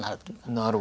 なるほど。